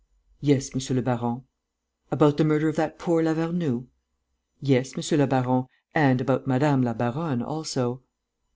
"Yes, monsieur le baron." "About the murder of that poor Lavernoux?" "Yes, monsieur le baron, and about madame le baronne also."